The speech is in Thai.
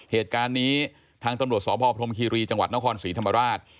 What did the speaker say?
เหตุการณ์นี้ทางตำรวจสพพรมคีรีจังหวัดนครศรีธรรมราช